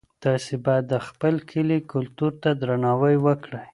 تاسي باید د خپل کلي کلتور ته درناوی وکړئ.